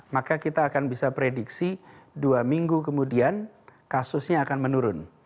maka kita akan bisa prediksi dua minggu kemudian kasusnya akan menurun